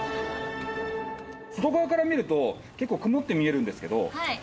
外側から見ると結構曇って見えるんですけど。